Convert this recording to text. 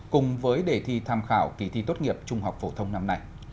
cùng với đề thi tham khảo kỳ thi tốt nghiệp trung học phổ thông năm nay